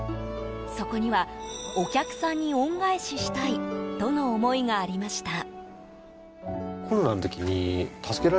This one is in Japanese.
そこにはお客さんに恩返ししたいとの思いがありました。